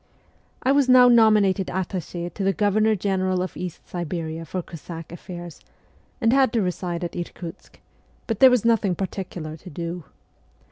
I was now nominated attache to the Governor 'j General of East Siberia for Cossack affairs, and had to reside at Irkutsk ; but there was nothing particular to do.